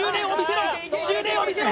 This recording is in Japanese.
執念を見せろ！